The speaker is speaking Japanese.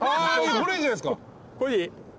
これでいい？